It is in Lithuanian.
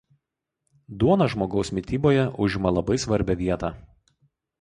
Duona žmogaus mityboje užima labai svarbią vietą.